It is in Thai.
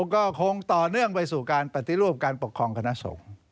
ก็คงต่อเนื่องไปสู่การปฏิรูปการปกครองคณะสงฆ์